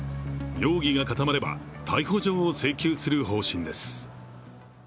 容疑が固まれば逮捕状を請求する方針です。